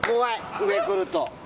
上に来ると。